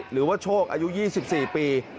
หรือว่าโชคอายุ๒๔ปี